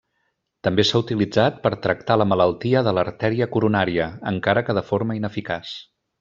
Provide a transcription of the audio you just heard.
També s'ha utilitzat per tractar la malaltia de l'artèria coronària, encara que de forma ineficaç.